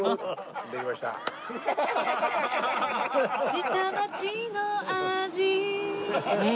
「下町の味」